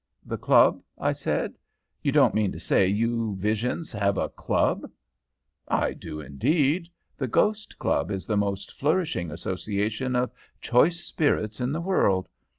"'The club?' I said. 'You don't mean to say you visions have a club?' "'I do indeed; the Ghost Club is the most flourishing association of choice spirits in the world.